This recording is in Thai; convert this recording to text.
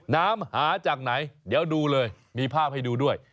มหาจากไหนเดี๋ยวดูเลยมีภาพให้ดูด้วย